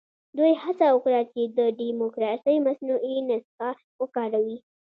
دوی هڅه وکړه چې د ډیموکراسۍ مصنوعي نسخه وکاروي.